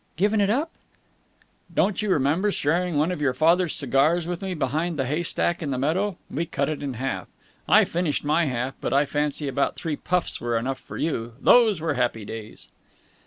"Given it up?" "Don't you remember sharing one of your father's cigars with me behind the haystack in the meadow? We cut it in half. I finished my half, but I fancy about three puffs were enough for you. Those were happy days!"